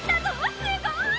すごい！